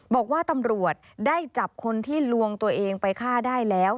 บอกว่าตำรวจได้จับคนที่ลวงตัวเองไปฆ่าได้แล้ว